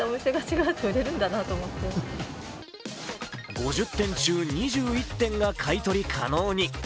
５０点中、２１点が買い取り可能に。